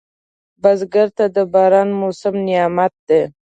بزګر ته د باران موسم نعمت دی